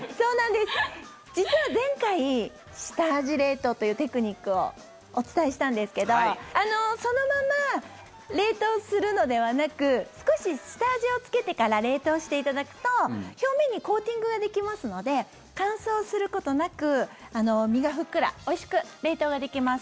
実は前回下味冷凍というテクニックをお伝えしたんですけどそのまま冷凍するのではなく少し下味をつけてから冷凍していただくと表面にコーティングができますので乾燥することなく、身がふっくらおいしく冷凍ができます。